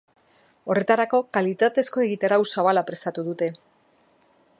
Horretarako, kalitatezko egitarau zabala prestatu dute.